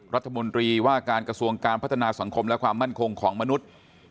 รัฐมนตรีว่าการกระทรวงการพัฒนาสังคมและความมั่นคงของมนุษย์